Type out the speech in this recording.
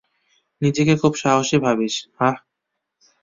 নিজেকে খুব সাহসী ভাবিস, হাহ?